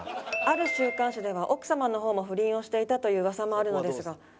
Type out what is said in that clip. ある週刊誌では奥様の方も不倫をしていたという噂もあるのですが。